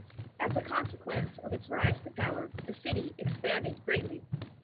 As a consequence of its rise to power, the city expanded greatly.